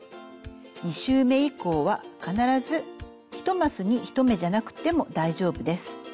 ２周め以降は必ず１マスに１目じゃなくても大丈夫です。